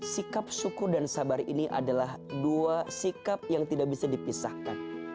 sikap syukur dan sabar ini adalah dua sikap yang tidak bisa dipisahkan